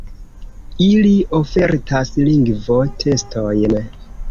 Ili ofertas lingvo-testojn.